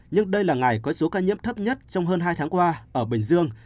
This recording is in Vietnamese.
nhưng đây là ngày có số ca nhiễm thấp nhất trong hơn hai tháng qua ở bình dương